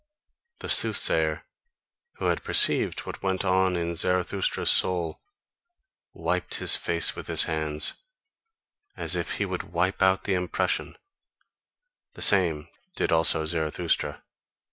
The soothsayer, who had perceived what went on in Zarathustra's soul, wiped his face with his hand, as if he would wipe out the impression; the same did also Zarathustra.